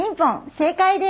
正解です！